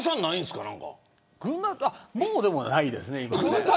もうないですね。